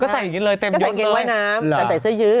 ใส่อย่างนี้เลยเต็มกางเกงว่ายน้ำแต่ใส่เสื้อยื้อ